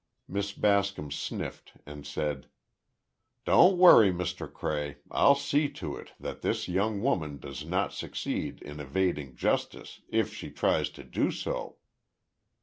Miss Bascom sniffed and said: "Don't worry, Mr. Cray. I'll see to it, that this young woman does not succeed in evading justice, if she tries to do so."